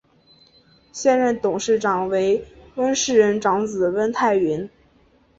现任董事长为温世仁长子温泰钧。